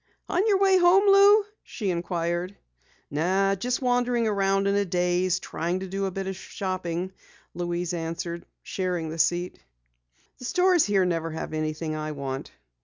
"On your way home, Lou?" she inquired. "No, just wandering around in a daze trying to do a bit of shopping," Louise answered, sharing the seat. "The stores here never have anything I want."